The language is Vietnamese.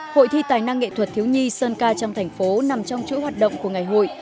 hội thi tài năng nghệ thuật thiếu nhi sơn ca trong thành phố nằm trong chuỗi hoạt động của ngày hội